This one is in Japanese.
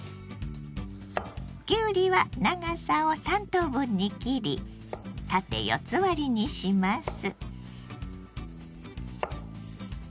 きゅうりは長さを３等分に切り縦四つ割りにします。